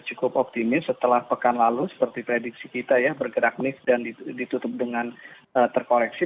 cukup optimis setelah pekan lalu seperti prediksi kita ya bergerak nis dan ditutup dengan terkoreksi